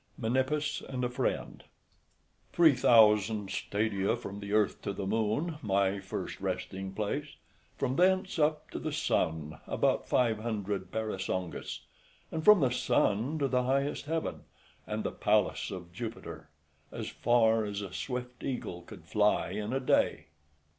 MENIPPUS AND A FRIEND. MENIPPUS. Three thousand stadia from the earth to the moon, my first resting place; from thence up to the sun about five hundred parasangas; and from the sun to the highest heaven, and the palace of Jupiter, as far as a swift eagle could fly in a day.